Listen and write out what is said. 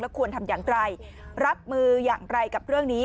ควรทำอย่างไรรับมืออย่างไรกับเรื่องนี้